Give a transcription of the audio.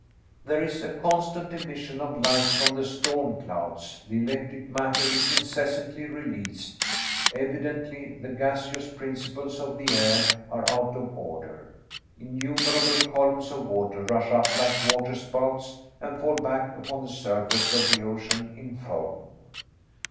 There is a constant emission of light from the storm clouds; the electric matter is incessantly released; evidently the gaseous principles of the air are out of order; innumerable columns of water rush up like waterspouts, and fall back upon the surface of the ocean in foam.